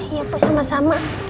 ya bu sama sama